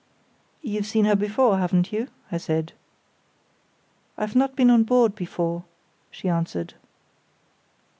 "You've seen her before, haven't you?" I said. "I've not been on board before," she answered.